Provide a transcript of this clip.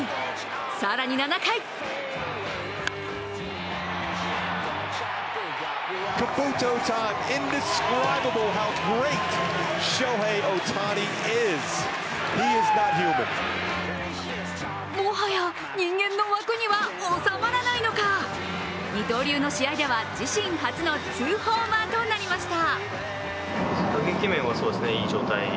更に７回もはや人間の枠には収まらないのか、二刀流の試合では自身初のツーホーマーとなりました。